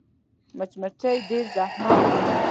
مچمچۍ ډېر زحمت باسي